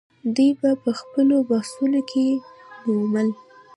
دوی به په خپلو بحثونو کې نومول.